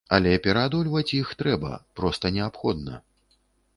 Але пераадольваць іх трэба, проста неабходна.